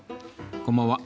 こんばんは。